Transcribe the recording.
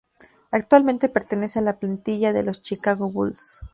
Actualmente pertenece a la plantilla de los Chicago Bulls.